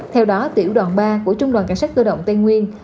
theo đó tiểu đoàn ba của trung đoàn cảnh sát cơ động tây nguyên